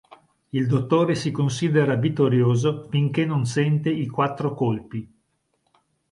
Il Dottore si considera vittorioso finché non sente i quattro colpi.